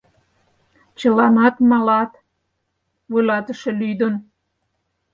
Чыланат малат... — вуйлатыше лӱдын.